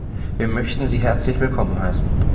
Wir möchten sie herzlich willkommen heißen.